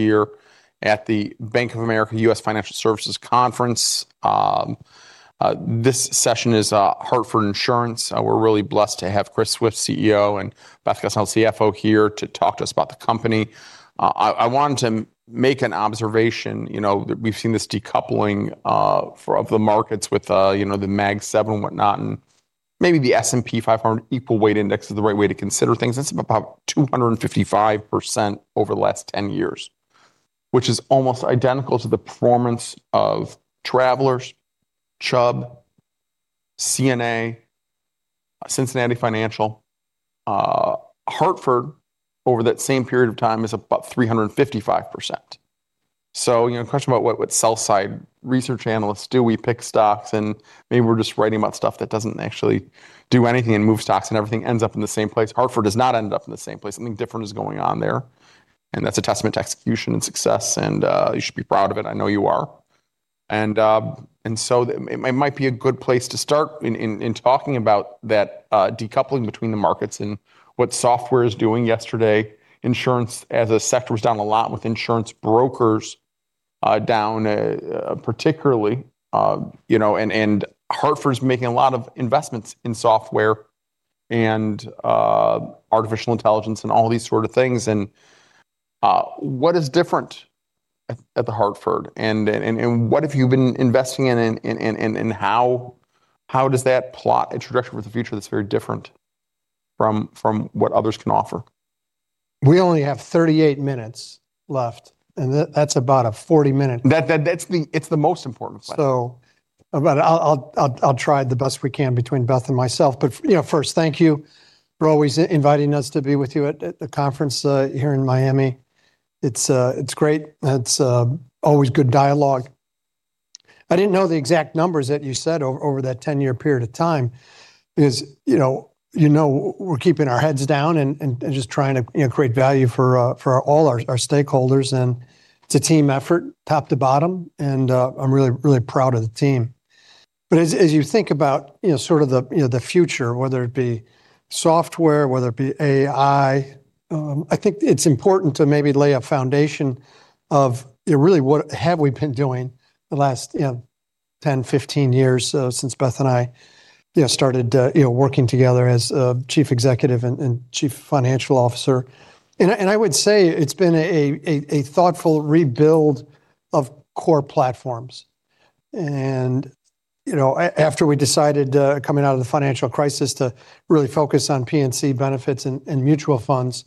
Here at the Bank of America U.S. Financial Services Conference. This session is Hartford Insurance. We're really blessed to have Christopher Swift, CEO, and Beth Bombara, CFO, here to talk to us about the company. I wanted to make an observation, you know, that we've seen this decoupling of the markets with, you know, the Mag 7 and whatnot, and maybe the S&P 500 Equal Weight Index is the right way to consider things. That's about 255% over the last 10 years, which is almost identical to the performance of Travelers, Chubb, CNA, Cincinnati Financial. Hartford, over that same period of time, is about 355%. So, you know, a question about what sell-side research analysts do. We pick stocks, and maybe we're just writing about stuff that doesn't actually do anything and move stocks, and everything ends up in the same place. Hartford does not end up in the same place. Something different is going on there, and that's a testament to execution and success, and you should be proud of it. I know you are. And so it might be a good place to start in talking about that decoupling between the markets and what software is doing. Yesterday, insurance as a sector was down a lot with insurance brokers down, particularly, you know, and The Hartford's making a lot of investments in software and artificial intelligence and all these sort of things. And what is different at The Hartford, and what have you been investing in, in how does that plot a trajectory for the future that's very different from what others can offer? We only have 38 minutes left, and that's about a 40-minute. That's it. It's the most important place. So, about, I'll try the best we can between Beth and myself, but, you know, first, thank you for always inviting us to be with you at the conference here in Miami. It's great. It's always good dialogue. I didn't know the exact numbers that you said over that 10-year period of time because, you know, we're keeping our heads down and just trying to, you know, create value for all our stakeholders, and it's a team effort top to bottom, and I'm really, really proud of the team. But as you think about, you know, sort of the future, whether it be software, whether it be AI, I think it's important to maybe lay a foundation of, you know, really what have we been doing the last, you know, 10, 15 years, since Beth and I, you know, started, you know, working together as Chief Executive and Chief Financial Officer. And I would say it's been a thoughtful rebuild of core platforms. And, you know, after we decided, coming out of the financial crisis, to really focus on P&C benefits and mutual funds,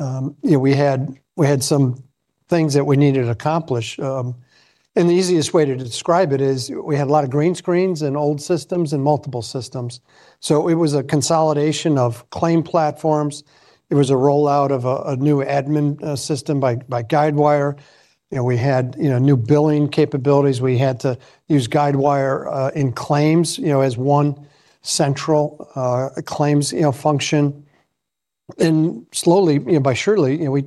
you know, we had some things that we needed to accomplish. And the easiest way to describe it is we had a lot of green screens and old systems and multiple systems. So it was a consolidation of claim platforms. It was a rollout of a new admin system by Guidewire. You know, we had new billing capabilities. We had to use Guidewire in claims, you know, as one central claims function. And slowly, you know, but surely, you know, we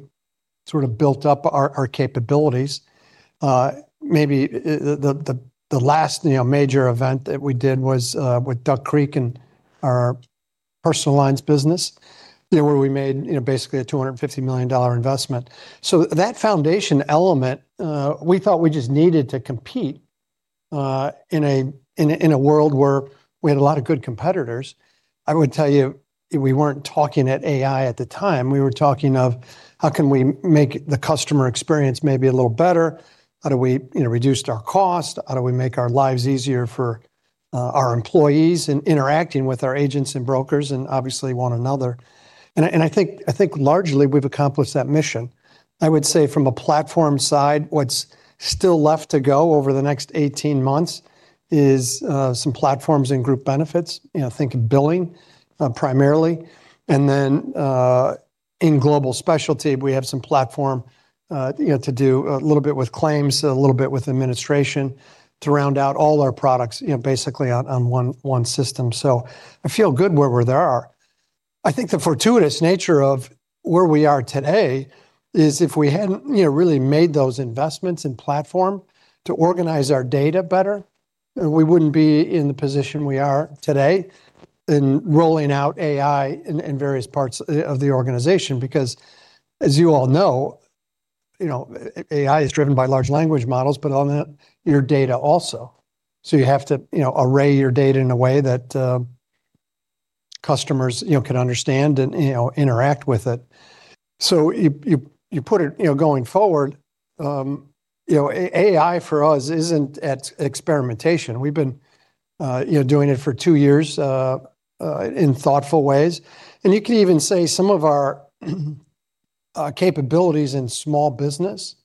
sort of built up our capabilities. Maybe the last major event that we did was with Duck Creek and our personal lines business, you know, where we made basically a $250 million investment. So that foundation element, we thought we just needed to compete in a world where we had a lot of good competitors. I would tell you, we weren't talking about AI at the time. We were talking of how can we make the customer experience maybe a little better? How do we, you know, reduce our cost? How do we make our lives easier for our employees in interacting with our agents and brokers and obviously one another? And I think largely we've accomplished that mission. I would say from a platform side, what's still left to go over the next 18 months is some platforms and group benefits, you know, think billing, primarily. And then, in global specialty, we have some platform, you know, to do a little bit with claims, a little bit with administration to round out all our products, you know, basically on one system. So I feel good where we're there. I think the fortuitous nature of where we are today is if we hadn't, you know, really made those investments in platform to organize our data better, we wouldn't be in the position we are today in rolling out AI in various parts of the organization because, as you all know, you know, AI is driven by large language models, but on that, your data also. So you have to, you know, array your data in a way that customers, you know, can understand and, you know, interact with it. So you put it, you know, going forward, you know, AI for us isn't at experimentation. We've been, you know, doing it for two years, in thoughtful ways. And you can even say some of our capabilities in small business,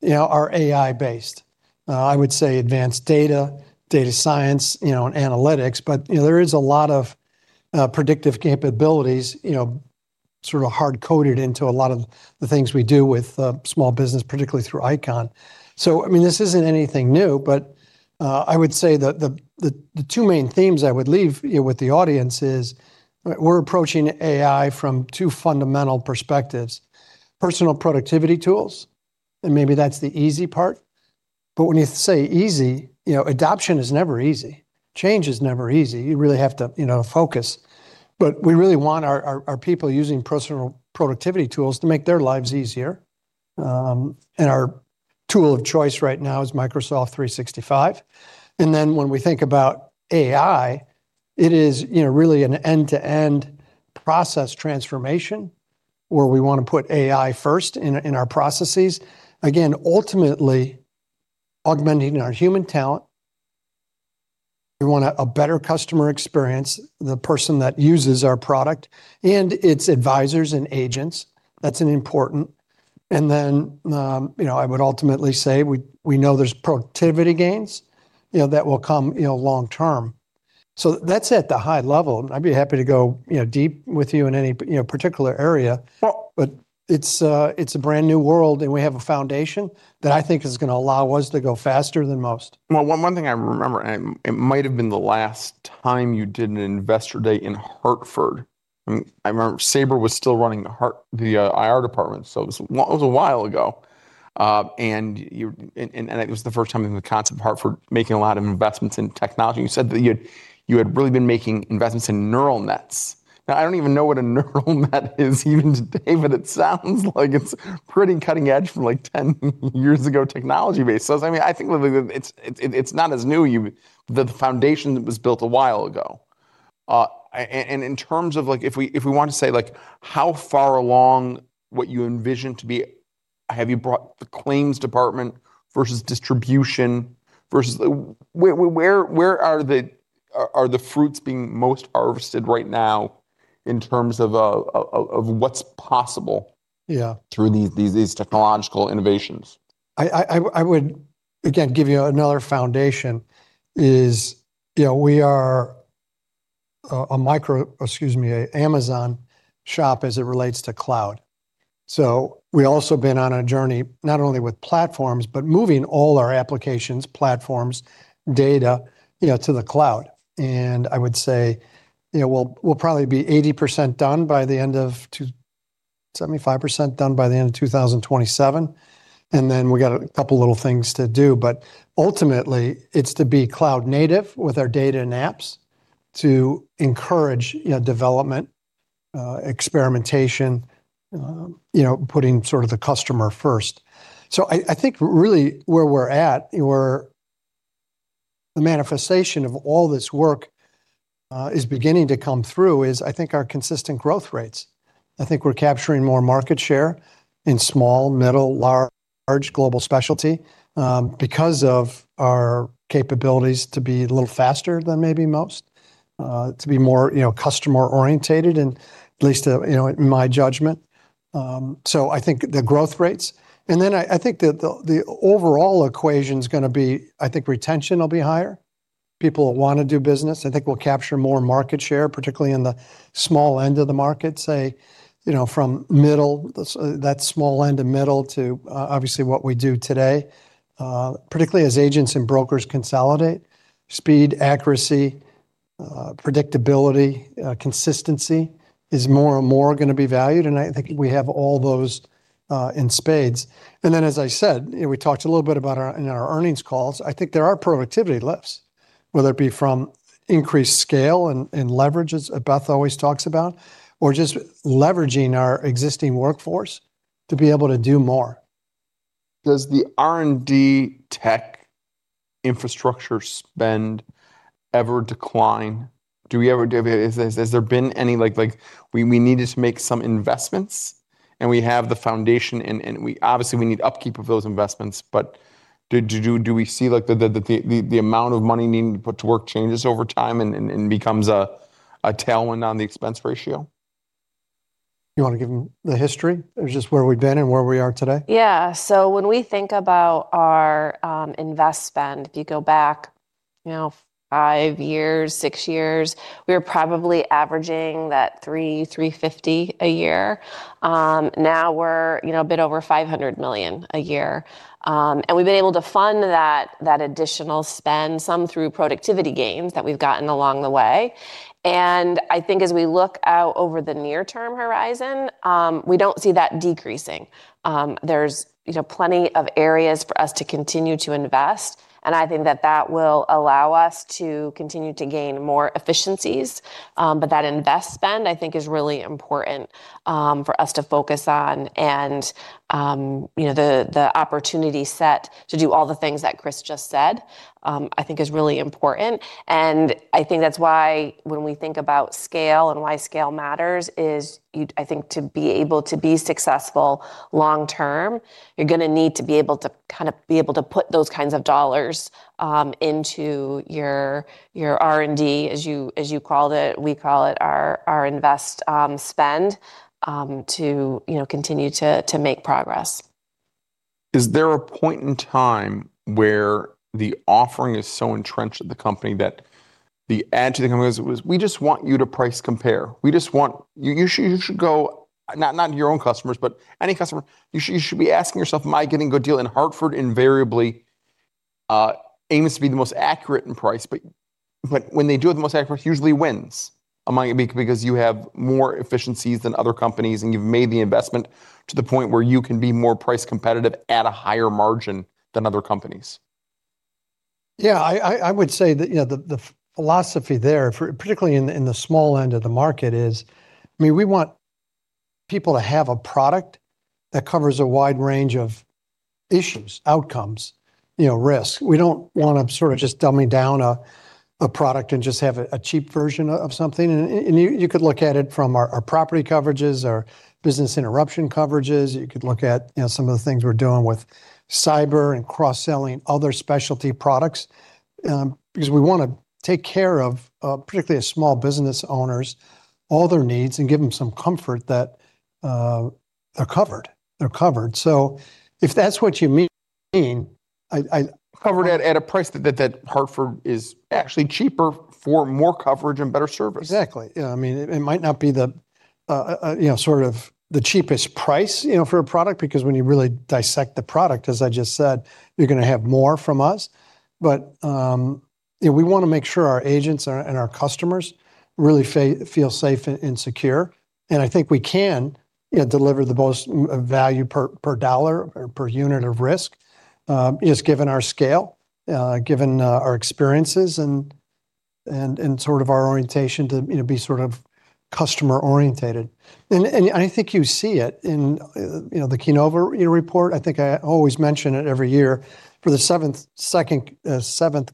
you know, are AI-based. I would say advanced data, data science, you know, and analytics, but, you know, there is a lot of predictive capabilities, you know, sort of hard-coded into a lot of the things we do with small business, particularly through ICON. So, I mean, this isn't anything new, but I would say the two main themes I would leave, you know, with the audience is we're approaching AI from two fundamental perspectives: personal productivity tools, and maybe that's the easy part. But when you say easy, you know, adoption is never easy. Change is never easy. You really have to, you know, focus. But we really want our people using personal productivity tools to make their lives easier, and our tool of choice right now is Microsoft 365. And then when we think about AI, it is, you know, really an end-to-end process transformation where we want to put AI first in, in our processes. Again, ultimately augmenting our human talent. We want a better customer experience, the person that uses our product, and its advisors and agents. That's an important. And then, you know, I would ultimately say we, we know there's productivity gains, you know, that will come, you know, long term. So that's at the high level. I'd be happy to go, you know, deep with you in any, you know, particular area, but it's, it's a brand new world, and we have a foundation that I think is going to allow us to go faster than most. Well, one thing I remember, and it might have been the last time you did an investor day in Hartford. I mean, I remember Sabra was still running the Hartford IR department, so it was a while ago. And you and it was the first time in the concept of Hartford making a lot of investments in technology. And you said that you had really been making investments in neural nets. Now, I don't even know what a neural net is even today, but it sounds like it's pretty cutting edge from like 10 years ago technology-based. So, I mean, I think really that it's not as new. That the foundation was built a while ago. in terms of, like, if we want to say like how far along what you envision to be, have you brought the claims department versus distribution versus where the fruits are being most harvested right now in terms of what's possible through these technological innovations? I would again give you another foundation is, you know, we are, excuse me, an Amazon shop as it relates to cloud. So we've also been on a journey not only with platforms, but moving all our applications, platforms, data, you know, to the cloud. And I would say, you know, we'll probably be 80% done by the end of 75% done by the end of 2027. And then we got a couple little things to do. But ultimately, it's to be cloud-native with our data and apps to encourage, you know, development, experimentation, you know, putting sort of the customer first. So I think really where we're at, where the manifestation of all this work, is beginning to come through is I think our consistent growth rates. I think we're capturing more market share in small, middle, large global specialty, because of our capabilities to be a little faster than maybe most, to be more, you know, customer-oriented, and at least, you know, in my judgment. So I think the growth rates. And then I think that the overall equation's going to be I think retention will be higher. People will want to do business. I think we'll capture more market share, particularly in the small end of the market, say, you know, from middle, that small end to middle to, obviously what we do today, particularly as agents and brokers consolidate. Speed, accuracy, predictability, consistency is more and more going to be valued. And I think we have all those, in spades. And then, as I said, you know, we talked a little bit about our earnings calls. I think there are productivity lifts, whether it be from increased scale and leverages that Beth always talks about, or just leveraging our existing workforce to be able to do more. Does the R&D tech infrastructure spend ever decline? Has there been any like, we needed to make some investments, and we have the foundation, and we obviously need upkeep of those investments, but do we see like the amount of money needing to put to work changes over time and becomes a tailwind on the expense ratio? You want to give them the history? It's just where we've been and where we are today? Yeah. So when we think about our invest spend, if you go back, you know, five years, six years, we were probably averaging that $350 million a year. Now we're, you know, a bit over $500 million a year. And we've been able to fund that additional spend, some through productivity gains that we've gotten along the way. And I think as we look out over the near-term horizon, we don't see that decreasing. There's, you know, plenty of areas for us to continue to invest, and I think that that will allow us to continue to gain more efficiencies. But that invest spend, I think, is really important for us to focus on. And, you know, the opportunity set to do all the things that Chris just said, I think is really important. I think that's why when we think about scale and why scale matters is you, I think, to be able to be successful long term, you're going to need to be able to kind of be able to put those kinds of dollars into your R&D, as you call it. We call it our invest spend, to, you know, continue to make progress. Is there a point in time where the offering is so entrenched at the company that the ad to the company goes, "We just want you to price compare. We just want you, you should go not your own customers, but any customer. You should be asking yourself, am I getting a good deal?" And Hartford invariably aims to be the most accurate in price, but when they do have the most accurate price, it usually wins among because you have more efficiencies than other companies and you've made the investment to the point where you can be more price competitive at a higher margin than other companies. Yeah. I would say that, you know, the philosophy there, particularly in the small end of the market, is, I mean, we want people to have a product that covers a wide range of issues, outcomes, you know, risks. We don't want to sort of just dumbing down a product and just have a cheap version of something. And you could look at it from our property coverages, our business interruption coverages. You could look at, you know, some of the things we're doing with Cyber and cross-selling other specialty products, because we want to take care of, particularly small business owners, all their needs, and give them some comfort that, they're covered. They're covered. So if that's what you mean, I. Covered at a price that Hartford is actually cheaper for more coverage and better service. Exactly. Yeah. I mean, it might not be the, you know, sort of the cheapest price, you know, for a product because when you really dissect the product, as I just said, you're going to have more from us. But, you know, we want to make sure our agents and our customers really feel safe and secure. And I think we can, you know, deliver the most value per, per dollar or per unit of risk, just given our scale, given, our experiences and, and, and sort of our orientation to, you know, be sort of customer-oriented. And, and I think you see it in, you know, the Keynova, you know, report. I think I always mention it every year. For the seventh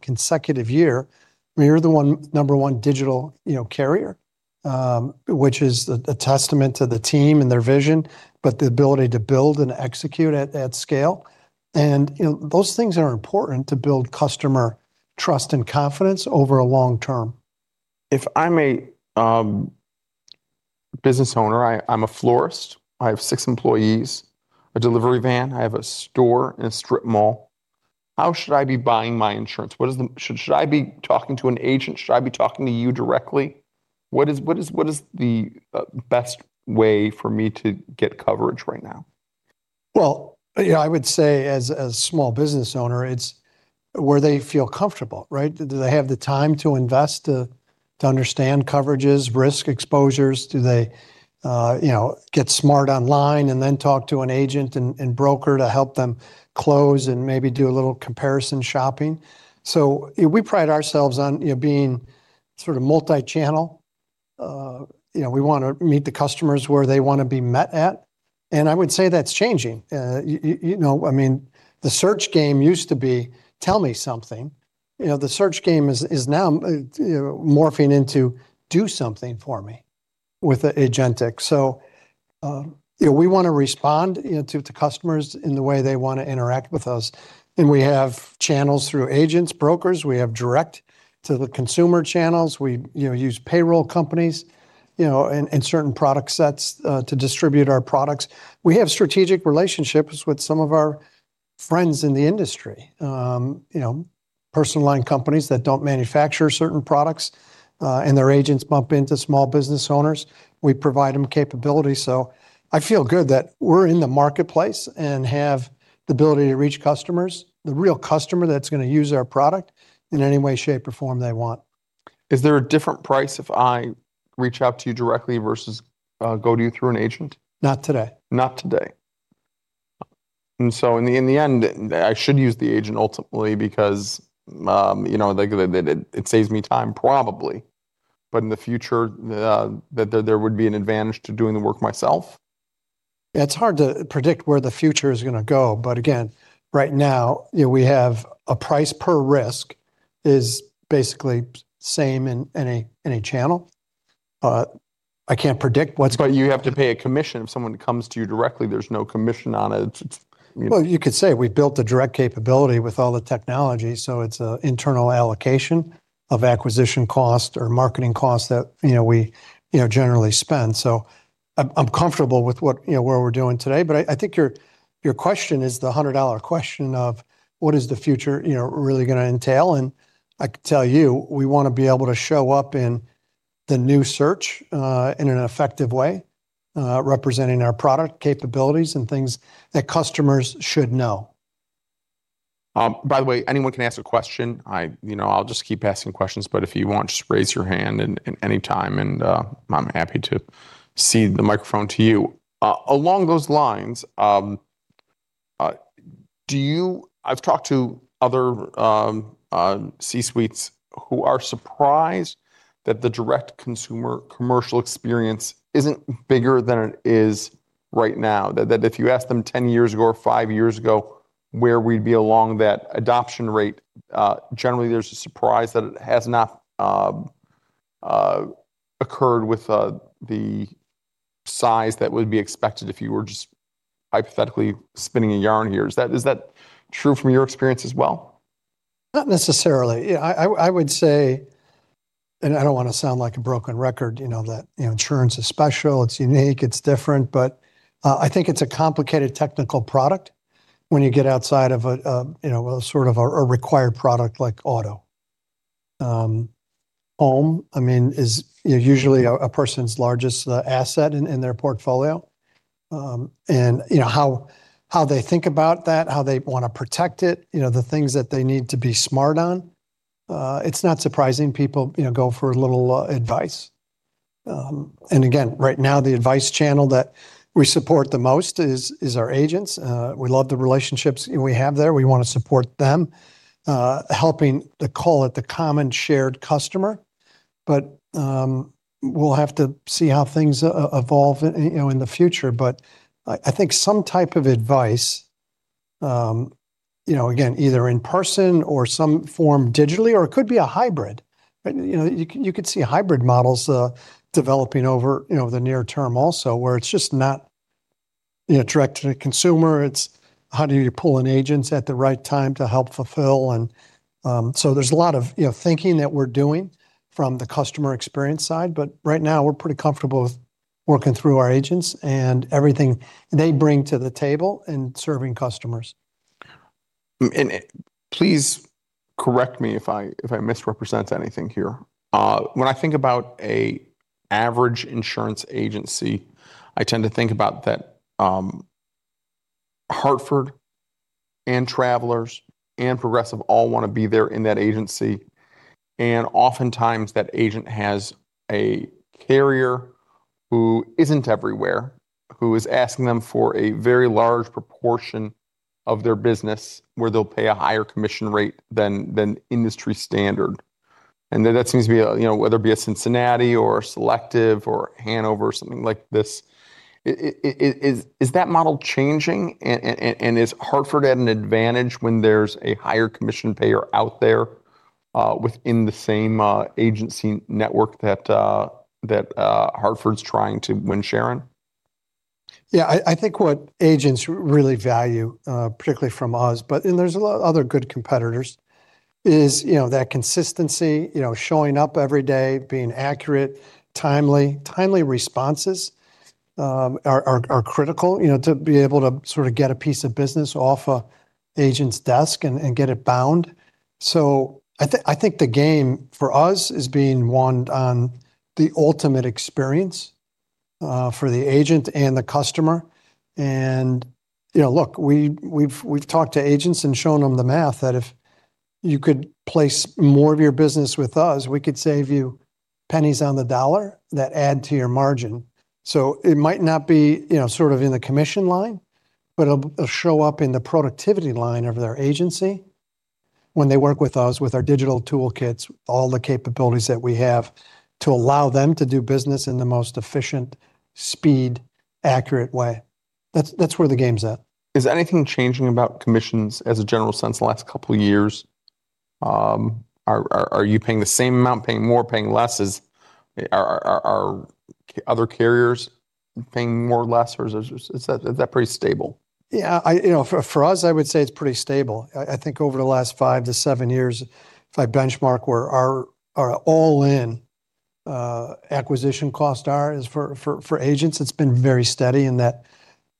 consecutive year, we are the number one digital, you know, carrier, which is a testament to the team and their vision, but the ability to build and execute at scale. You know, those things are important to build customer trust and confidence over a long term. If I'm a business owner, I'm a florist. I have six employees, a delivery van. I have a store and a strip mall. How should I be buying my insurance? What is, should I be talking to an agent? Should I be talking to you directly? What is the best way for me to get coverage right now? Well, you know, I would say as, as a small business owner, it's where they feel comfortable, right? Do they have the time to invest to, to understand coverages, risk exposures? Do they, you know, get smart online and then talk to an agent and, and broker to help them close and maybe do a little comparison shopping? So we pride ourselves on, you know, being sort of multi-channel. You know, we want to meet the customers where they want to be met at. And I would say that's changing. You know, I mean, the search game used to be, "Tell me something." You know, the search game is, is now, you know, morphing into, "Do something for me with agentic." So, you know, we want to respond, you know, to, to customers in the way they want to interact with us. And we have channels through agents, brokers. We have direct to the consumer channels. We, you know, use payroll companies, you know, and certain product sets, to distribute our products. We have strategic relationships with some of our friends in the industry, you know, personal line companies that don't manufacture certain products, and their agents bump into small business owners. We provide them capability. So I feel good that we're in the marketplace and have the ability to reach customers, the real customer that's going to use our product in any way, shape, or form they want. Is there a different price if I reach out to you directly versus go to you through an agent? Not today. Not today. And so in the end, I should use the agent ultimately because, you know, like, it saves me time probably. But in the future, that there would be an advantage to doing the work myself? Yeah. It's hard to predict where the future is going to go. But again, right now, you know, we have a price per risk is basically same in any channel. I can't predict what's. But you have to pay a commission. If someone comes to you directly, there's no commission on it. Well, you could say we've built the direct capability with all the technology. So it's an internal allocation of acquisition cost or marketing cost that, you know, we, you know, generally spend. So I'm comfortable with what, you know, where we're doing today. But I think your, your question is the $100 question of what is the future, you know, really going to entail? And I can tell you, we want to be able to show up in the new search, in an effective way, representing our product capabilities and things that customers should know. By the way, anyone can ask a question. I, you know, I'll just keep asking questions. But if you want, just raise your hand at any time. And, I'm happy to pass the microphone to you. Along those lines, do you? I've talked to other C-suites who are surprised that the direct consumer commercial experience isn't bigger than it is right now. That, that if you asked them ten years ago or five years ago where we'd be along that adoption rate, generally, there's a surprise that it has not occurred with the size that would be expected if you were just hypothetically spinning a yarn here. Is that true from your experience as well? Not necessarily. Yeah. I would say and I don't want to sound like a broken record, you know, that you know, insurance is special. It's unique. It's different. But I think it's a complicated technical product when you get outside of a you know, sort of a required product like auto, home. I mean, is you know, usually a person's largest asset in their portfolio. And you know, how they think about that, how they want to protect it, you know, the things that they need to be smart on. It's not surprising people, you know, go for a little advice. Again, right now, the advice channel that we support the most is our agents. We love the relationships we have there. We want to support them, helping to call it the common shared customer. But we'll have to see how things evolve, you know, in the future. But I think some type of advice, you know, again, either in person or some form digitally, or it could be a hybrid. You know, you could see hybrid models developing over, you know, the near term also, where it's just not, you know, direct to the consumer. It's how do you pull in agents at the right time to help fulfill? And so there's a lot of, you know, thinking that we're doing from the customer experience side. But right now, we're pretty comfortable with working through our agents and everything they bring to the table and serving customers. And please correct me if I, if I misrepresent anything here. When I think about an average insurance agency, I tend to think about that, Hartford and Travelers and Progressive all want to be there in that agency. And oftentimes, that agent has a carrier who isn't everywhere, who is asking them for a very large proportion of their business where they'll pay a higher commission rate than, than industry standard. And that seems to be a, you know, whether it be a Cincinnati or a Selective or Hanover or something like this. Is that model changing? And is Hartford at an advantage when there's a higher commission payer out there, within the same, agency network that, that, Hartford's trying to win share in? Yeah. I think what agents really value, particularly from us, but and there's a lot of other good competitors, is, you know, that consistency, you know, showing up every day, being accurate, timely. Timely responses are critical, you know, to be able to sort of get a piece of business off an agent's desk and get it bound. So I think the game for us is being won on the ultimate experience, for the agent and the customer. And, you know, look, we've talked to agents and shown them the math that if you could place more of your business with us, we could save you pennies on the dollar that add to your margin. So it might not be, you know, sort of in the commission line, but it'll, it'll show up in the productivity line of their agency when they work with us, with our digital toolkits, all the capabilities that we have to allow them to do business in the most efficient, speed, accurate way. That's, that's where the game's at. Is anything changing about commissions as a general sense the last couple of years? Are you paying the same amount, paying more, paying less as other carriers are paying more or less? Or is that pretty stable? Yeah. I, you know, for us, I would say it's pretty stable. I think over the last five to seven years, if I benchmark where our, our all-in, acquisition costs are for, for, for agents, it's been very steady in that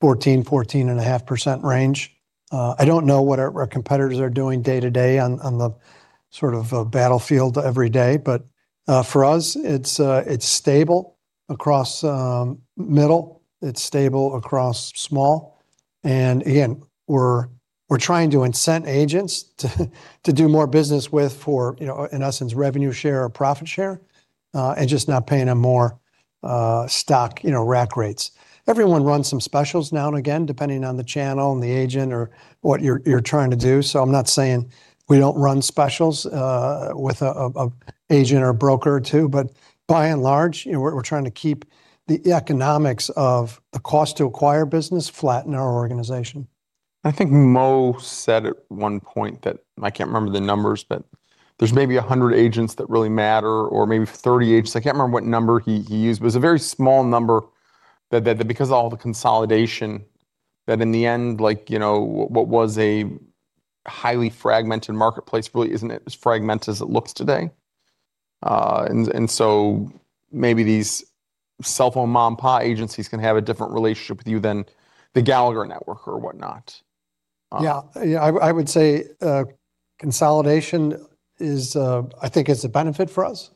14%-14.5% range. I don't know what our, our competitors are doing day to day on, on the sort of battlefield every day. But, for us, it's, it's stable across, middle. It's stable across small. And again, we're, we're trying to incent agents to, to do more business with for, you know, in essence, revenue share or profit share, and just not paying them more, stock, you know, rack rates. Everyone runs some specials now and again, depending on the channel and the agent or what you're, you're trying to do. So I'm not saying we don't run specials, with a, a, a agent or a broker or two. By and large, you know, we're trying to keep the economics of the cost to acquire business flat in our organization. I think Mo said at one point that I can't remember the numbers, but there's maybe 100 agents that really matter or maybe 30 agents. I can't remember what number he used, but it's a very small number that because of all the consolidation, that in the end, like, you know, what was a highly fragmented marketplace really isn't as fragmented as it looks today. And so maybe these cell phone mom-and-pop agencies can have a different relationship with you than the Gallagher network or whatnot. Yeah. Yeah. I would say, consolidation is. I think it's a benefit for us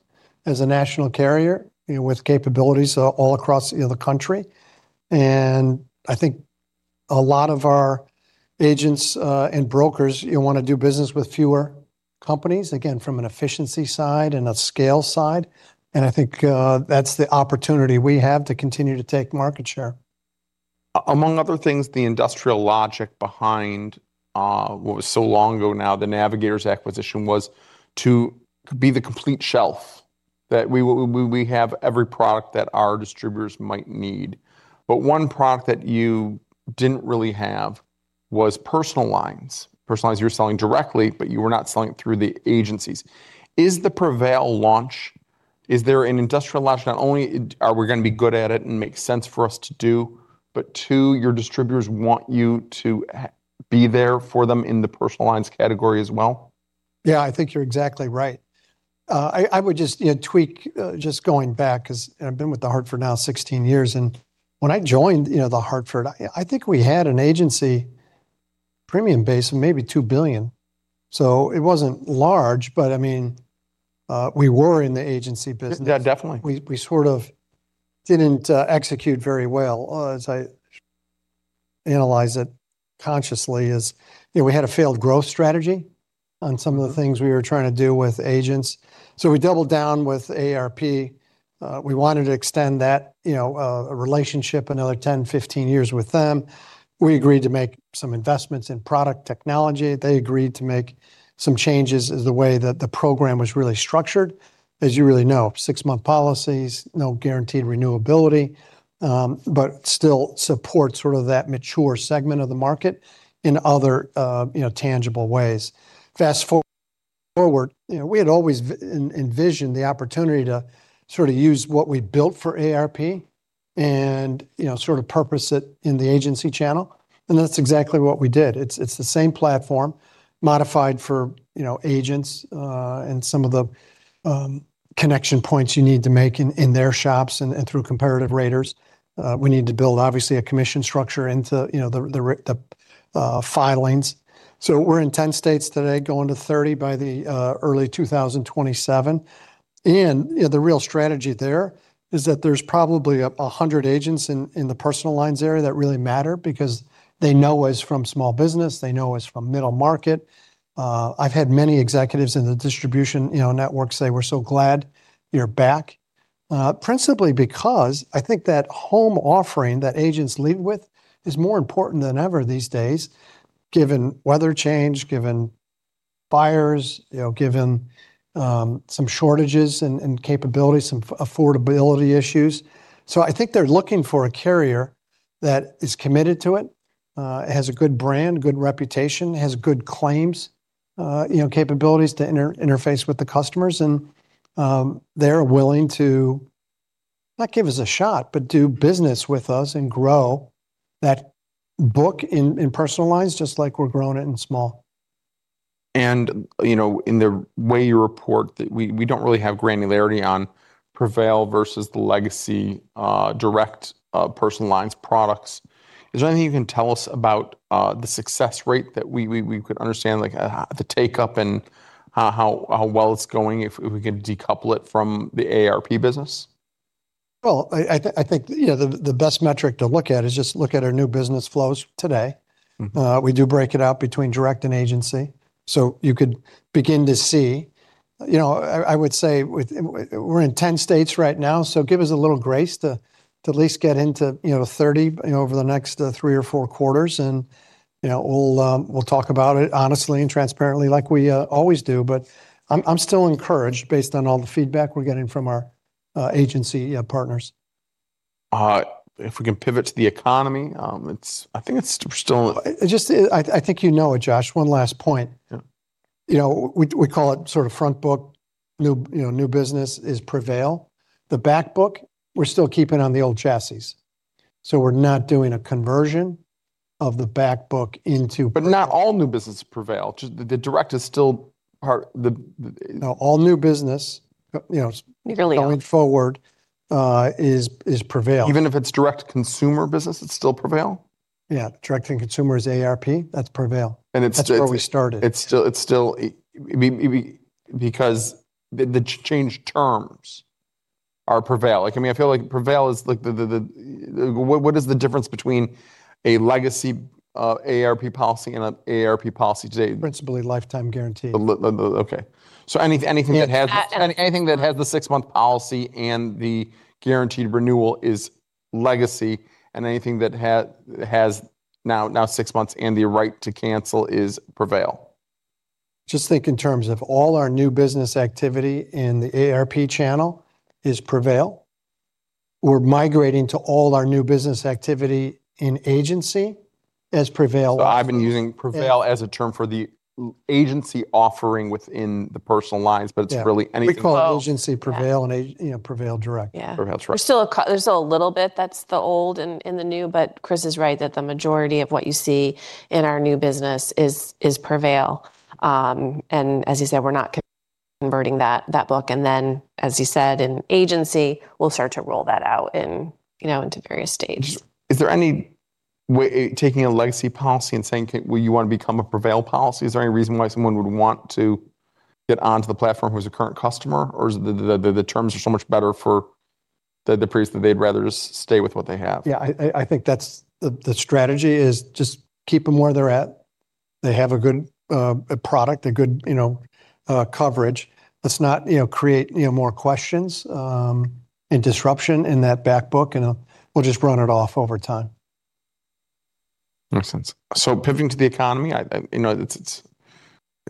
as a national carrier, you know, with capabilities all across, you know, the country. And I think a lot of our agents and brokers, you know, want to do business with fewer companies, again, from an efficiency side and a scale side. And I think that's the opportunity we have to continue to take market share. Among other things, the industrial logic behind, what was so long ago now, the Navigators' acquisition, was to be the complete shelf that we have every product that our distributors might need. But one product that you didn't really have was personal lines. Personal lines, you were selling directly, but you were not selling it through the agencies. Is the Prevail launch, is there an industrial launch? Not only are we going to be good at it and make sense for us to do, but too, your distributors want you to be there for them in the personal lines category as well? Yeah. I think you're exactly right. I, I would just, you know, tweak, just going back because I've been with The Hartford now 16 years. And when I joined, you know, The Hartford, I think we had an agency premium base of maybe $2 billion. So it wasn't large. But I mean, we were in the agency business. Yeah. Definitely. We sort of didn't execute very well as I analyze it consciously as, you know, we had a failed growth strategy on some of the things we were trying to do with agents. So we doubled down with AARP. We wanted to extend that, you know, relationship another 10, 15 years with them. We agreed to make some investments in product technology. They agreed to make some changes as the way that the program was really structured, as you really know, six-month policies, no guaranteed renewability, but still support sort of that mature segment of the market in other, you know, tangible ways. Fast forward, you know, we had always envisioned the opportunity to sort of use what we built for AARP and, you know, sort of purpose it in the agency channel. And that's exactly what we did. It's the same platform modified for, you know, agents, and some of the connection points you need to make in their shops and through comparative raters. We need to build, obviously, a commission structure into, you know, the filings. So we're in 10 states today, going to 30 by early 2027. And, you know, the real strategy there is that there's probably 100 agents in the personal lines area that really matter because they know us from small business. They know us from middle market. I've had many executives in the distribution, you know, network say, "We're so glad you're back," principally because I think that home offering that agents lead with is more important than ever these days, given weather change, given buyers, you know, given some shortages and capabilities, some affordability issues. So I think they're looking for a carrier that is committed to it, has a good brand, good reputation, has good claims, you know, capabilities to interface with the customers. They're willing to not give us a shot, but do business with us and grow that book in personal lines just like we're growing it in small. You know, in the way you report that we don't really have granularity on Prevail versus the legacy, direct, personal lines products. Is there anything you can tell us about the success rate that we could understand, like the uptake and how well it's going if we could decouple it from the AARP business? Well, I think, you know, the best metric to look at is just look at our new business flows today. We do break it out between direct and agency. So you could begin to see, you know, I would say we're in 10 states right now. So give us a little grace to at least get into, you know, 30, you know, over the next three or four quarters. And, you know, we'll talk about it honestly and transparently like we always do. But I'm still encouraged based on all the feedback we're getting from our agency partners. If we can pivot to the economy, it's, I think, it's still. I think you know it, Josh. One last point. Yeah, you know, we call it sort of front book new business is Prevail. The back book, we're still keeping on the old chassis. So we're not doing a conversion of the back book into. But not all new business is Prevail. The direct is still part. No, all new business, you know, going forward, is Prevail. Even if it's direct consumer business, it's still Prevail? Yeah. direct-to-consumer is AARP. That's Prevail. That's where we started. It's still because the changed terms are Prevail. Like, I mean, I feel like Prevail is like the what is the difference between a legacy AARP policy and an AARP policy today? Principally lifetime guarantee. Okay. So anything that has the six-month policy and the guaranteed renewal is legacy. And anything that has six months and the right to cancel is Prevail. Just think in terms of all our new business activity in the AARP channel is Prevail. We're migrating to all our new business activity in agency as Prevail is. I've been using Prevail as a term for the agency offering within the personal lines, but it's really anything else. We call agency Prevail and, you know, Prevail Direct. Yeah. Prevail Direct. There's still a little bit that's the old in the new. But Chris is right that the majority of what you see in our new business is Prevail. And as he said, we're not converting that book. And then, as he said, in agency, we'll start to roll that out, you know, into various stages. Is there any way taking a legacy policy and saying, "Well, you want to become a Prevail policy," is there any reason why someone would want to get onto the platform who's a current customer? Or is it that the terms are so much better for the previous that they'd rather just stay with what they have? Yeah. I think that's the strategy is just keep them where they're at. They have a good product, a good, you know, coverage. Let's not, you know, create, you know, more questions and disruption in that back book. And we'll just run it off over time. Makes sense. So pivoting to the economy, you know,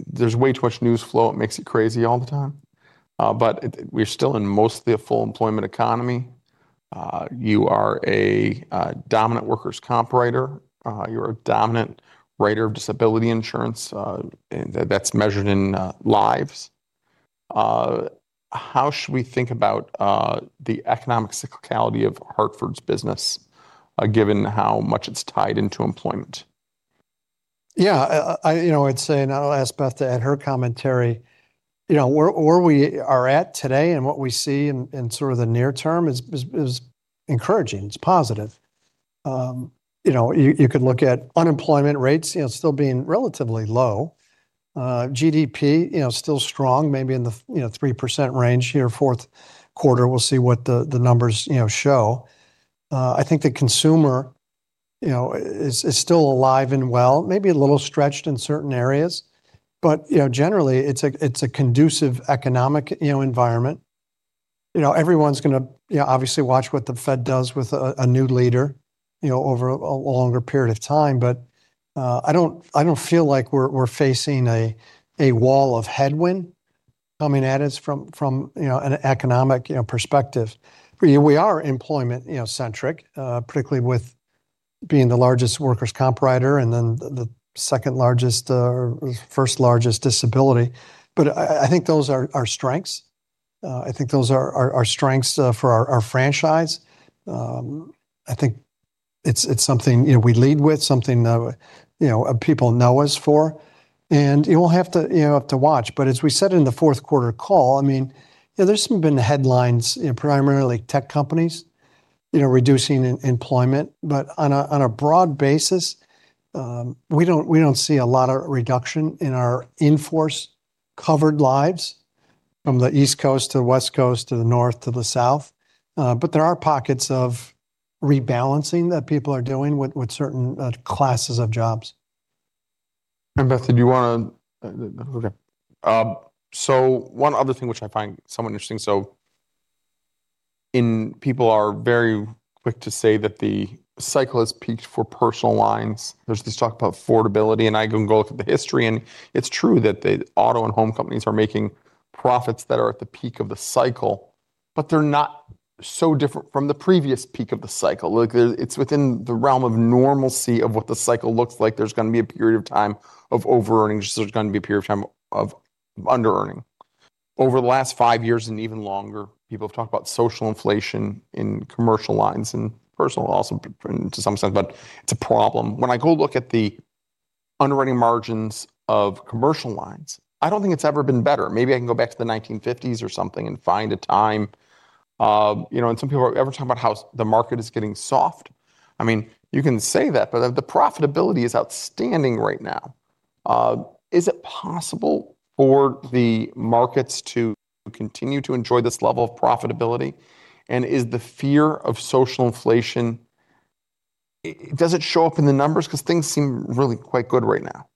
there's way too much news flow. It makes it crazy all the time. We're still in mostly a full employment economy. You are a dominant workers' comp writer. You're a dominant writer of disability insurance. And that's measured in lives. How should we think about the economic cyclicality of Hartford's business, given how much it's tied into employment? Yeah. You know, I'd say, and I'll ask Beth to add her commentary, you know, where we are at today and what we see in sort of the near term is encouraging. It's positive. You know, you could look at unemployment rates, you know, still being relatively low. GDP, you know, still strong, maybe in the 3% range here fourth quarter. We'll see what the numbers, you know, show. I think the consumer, you know, is still alive and well, maybe a little stretched in certain areas. But, you know, generally, it's a conducive economic, you know, environment. You know, everyone's going to, you know, obviously watch what the Fed does with a new leader, you know, over a longer period of time. But I don't feel like we're facing a wall of headwind coming at us from, you know, an economic, you know, perspective. We are employment centric, particularly with being the largest workers' comp writer and then the second largest, first largest disability. But I think those are strengths. I think those are strengths for our franchise. I think it's something, you know, we lead with, something, you know, people know us for. And you'll have to watch. But as we said in the fourth quarter call, I mean, you know, there's been headlines, you know, primarily tech companies, you know, reducing employment. But on a broad basis, we don't see a lot of reduction in our in-force covered lives from the East Coast to the West Coast to the North to the South. But there are pockets of rebalancing that people are doing with certain classes of jobs. Beth, did you want to? Okay. So one other thing which I find somewhat interesting. So people are very quick to say that the cycle has peaked for personal lines. There's this talk about affordability. And I can go look at the history. And it's true that the auto and home companies are making profits that are at the peak of the cycle. But they're not so different from the previous peak of the cycle. Like it's within the realm of normalcy of what the cycle looks like. There's going to be a period of time of over-earnings. There's going to be a period of time of under-earning. Over the last five years and even longer, people have talked about social inflation in commercial lines and personal also to some extent. But it's a problem. When I go look at the underwriting margins of commercial lines, I don't think it's ever been better. Maybe I can go back to the 1950s or something and find a time, you know, and some people even talk about how the market is getting soft. I mean, you can say that. But the profitability is outstanding right now. Is it possible for the markets to continue to enjoy this level of profitability? And does the fear of social inflation show up in the numbers? Because things seem really quite good right now.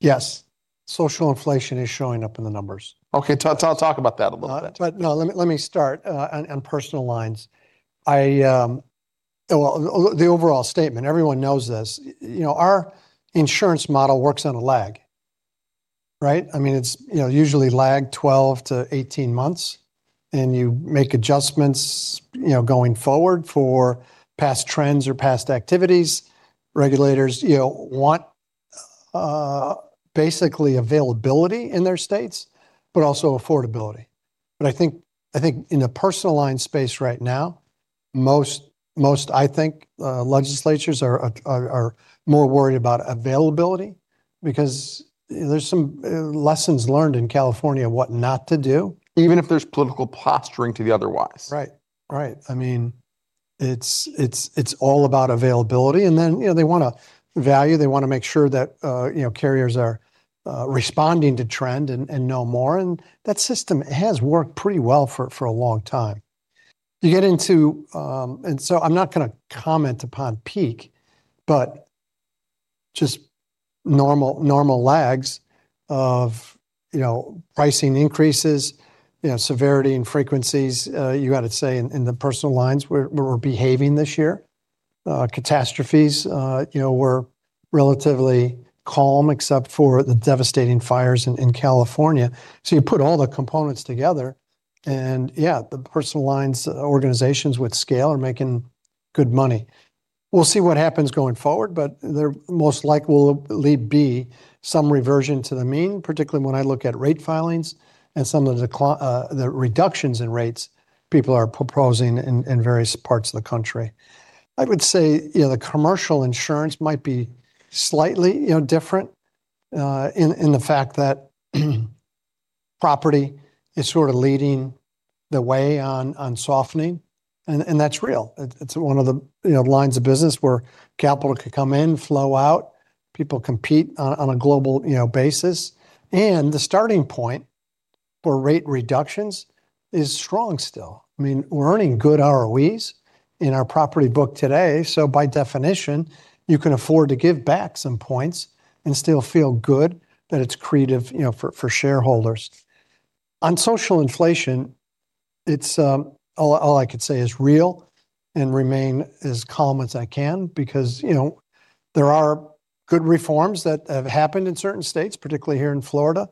Yes. Social Inflation is showing up in the numbers. Okay. Talk about that a little bit. No, let me, let me start on personal lines. I, well, the overall statement, everyone knows this. You know, our insurance model works on a lag, right? I mean, it's, you know, usually lag 12-18 months. And you make adjustments, you know, going forward for past trends or past activities. Regulators, you know, want, basically availability in their states, but also affordability. But I think, I think in the personal line space right now, most, most, I think, legislatures are, are, are more worried about availability because there's some lessons learned in California what not to do. Even if there's political posturing to the otherwise. Right. Right. I mean, it's, it's, it's all about availability. And then, you know, they want value. They want to make sure that, you know, carriers are responding to trend and know more. And that system has worked pretty well for a long time. You get into, and so I'm not going to comment upon peak, but just normal lags of, you know, pricing increases, you know, severity and frequencies. You got to say in the personal lines where we're behaving this year. Catastrophes, you know, were relatively calm except for the devastating fires in California. So you put all the components together. And yeah, the personal lines organizations with scale are making good money. We'll see what happens going forward. But there most likely will likely be some reversion to the mean, particularly when I look at rate filings and some of the reductions in rates people are proposing in various parts of the country. I would say, you know, the commercial insurance might be slightly, you know, different, in the fact that property is sort of leading the way on softening. And that's real. It's one of the, you know, lines of business where capital could come in, flow out, people compete on a global, you know, basis. And the starting point for rate reductions is strong still. I mean, we're earning good ROEs in our property book today. So by definition, you can afford to give back some points and still feel good that it's accretive, you know, for shareholders. On social inflation, it's all I could say is real and remain as calm as I can because, you know, there are good reforms that have happened in certain states, particularly here in Florida.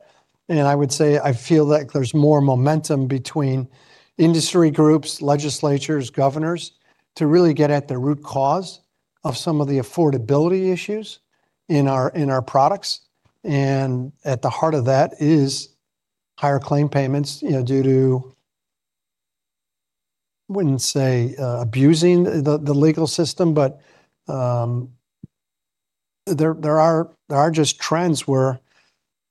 And I would say I feel like there's more momentum between industry groups, legislatures, governors to really get at the root cause of some of the affordability issues in our products. And at the heart of that is higher claim payments, you know, due to wouldn't say abusing the legal system. But there are just trends where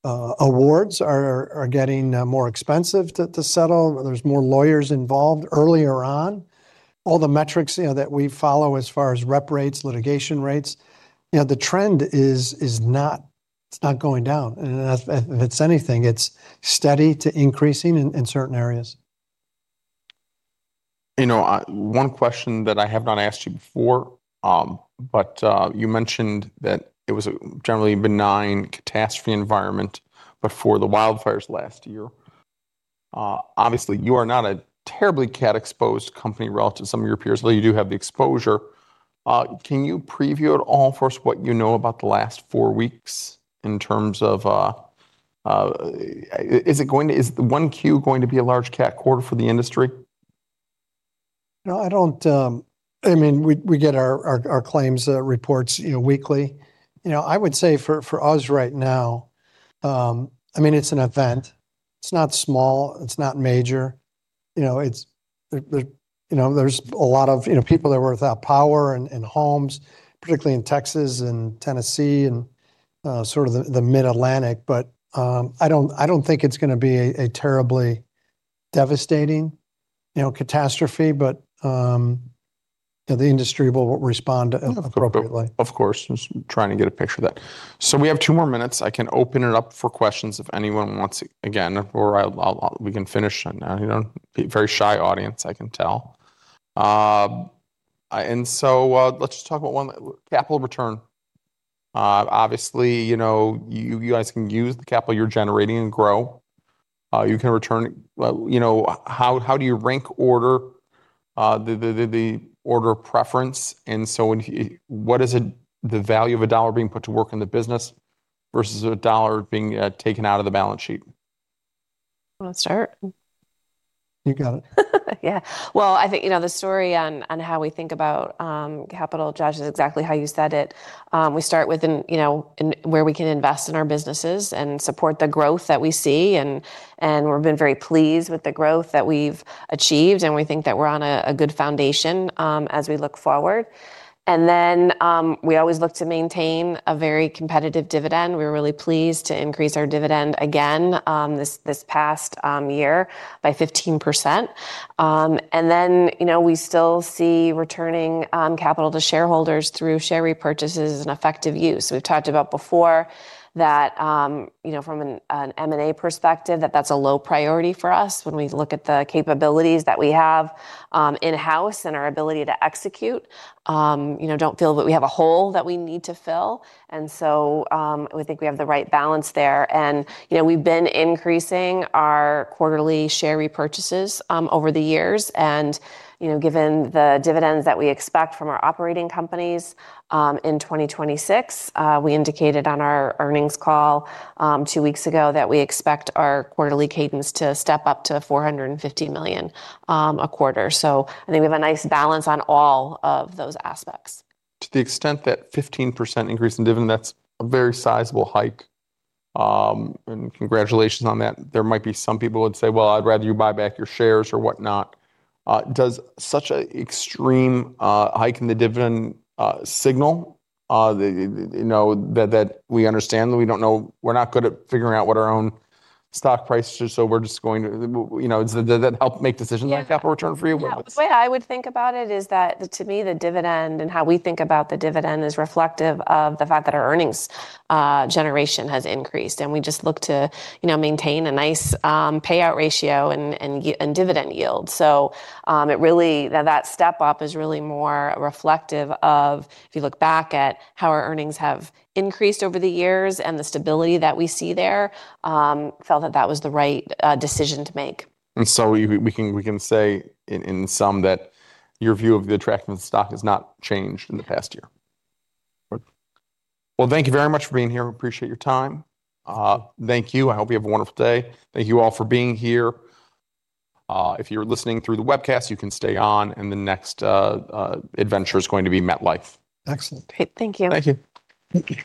awards are getting more expensive to settle. There's more lawyers involved earlier on. All the metrics, you know, that we follow as far as rep rates, litigation rates, you know, the trend is not going down. If it's anything, it's steady to increasing in certain areas. You know, one question that I have not asked you before, but you mentioned that it was a generally benign catastrophe environment before the wildfires last year. Obviously, you are not a terribly cat-exposed company relative to some of your peers, although you do have the exposure. Can you preview at all for us what you know about the last four weeks in terms of, is it going to, is 1Q going to be a large cat quarter for the industry? You know, I don't, I mean, we get our claims reports, you know, weekly. You know, I would say for us right now, I mean, it's an event. It's not small. It's not major. You know, it's, you know, there's a lot of, you know, people that were without power and homes, particularly in Texas and Tennessee and, sort of the Mid-Atlantic. But, I don't think it's going to be a terribly devastating, you know, catastrophe. But, you know, the industry will respond appropriately. Of course. I'm trying to get a picture of that. So we have two more minutes. I can open it up for questions if anyone wants again, or I'll, we can finish. And, you know, very shy audience, I can tell. And so, let's just talk about one capital return. Obviously, you know, you guys can use the capital you're generating and grow. You can return, you know, how do you rank order, the order preference? And so when you what is it the value of a dollar being put to work in the business versus a dollar being taken out of the balance sheet? You want to start? You got it. Yeah. Well, I think, you know, the story on how we think about capital allocation is exactly how you said it. We start with, you know, where we can invest in our businesses and support the growth that we see. And we've been very pleased with the growth that we've achieved. And we think that we're on a good foundation as we look forward. And then we always look to maintain a very competitive dividend. We were really pleased to increase our dividend again this past year by 15%. And then, you know, we still see returning capital to shareholders through share repurchases and effective use. We've talked about before that, you know, from an M&A perspective, that's a low priority for us when we look at the capabilities that we have in-house and our ability to execute. You know, don't feel that we have a hole that we need to fill. So, we think we have the right balance there. You know, we've been increasing our quarterly share repurchases over the years. You know, given the dividends that we expect from our operating companies, in 2026, we indicated on our earnings call 2 weeks ago that we expect our quarterly cadence to step up to $450 million a quarter. So I think we have a nice balance on all of those aspects. To the extent that 15% increase in dividend, that's a very sizable hike. And congratulations on that. There might be some people would say, well, I'd rather you buy back your shares or whatnot. Does such an extreme hike in the dividend signal, you know, that, that we understand that we don't know we're not good at figuring out what our own stock price is. So we're just going to, you know, does that help make decisions on capital return for you? Yeah. The way I would think about it is that to me, the dividend and how we think about the dividend is reflective of the fact that our earnings generation has increased. And we just look to, you know, maintain a nice payout ratio and dividend yield. So, it really, that step up is really more reflective of if you look back at how our earnings have increased over the years and the stability that we see there, felt that that was the right decision to make. And so we can say in sum that your view of the attractiveness of the stock has not changed in the past year. Well, thank you very much for being here. Appreciate your time. Thank you. I hope you have a wonderful day. Thank you all for being here. If you're listening through the webcast, you can stay on. And the next adventure is going to be MetLife. Excellent. Great. Thank you. Thank you.